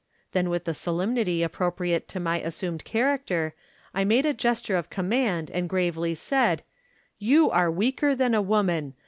Then, with the solemnity appropriate 484 MODERN MAGIC. to my assumed character, I made a gesture of command, and gravely said —"' You are weaker than a woman.